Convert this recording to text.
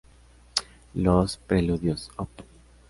Los "Preludios Op.